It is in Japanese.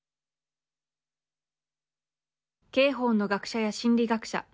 刑法の学者や心理学者